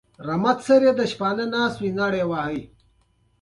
او نور پیچلي مشتقات او مالي محصولات شامل دي.